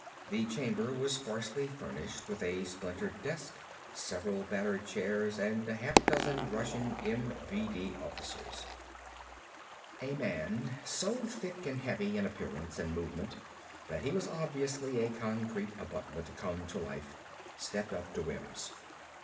The chamber was sparsely furnished with a splintered desk, several battered chairs and half a dozen Russian MVD officers. A man, so thick and heavy in appearance and movement that he was obviously a concrete abutment come to life, stepped up to Wims.